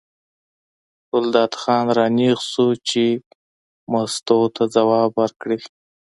ګلداد خان را نېغ شو چې مستو ته ځواب ورکړي.